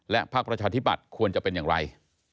พักประชาธิบัติควรจะเป็นอย่างไร